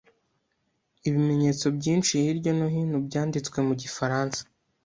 Ibimenyetso byinshi hirya no hino byanditswe mu gifaransa.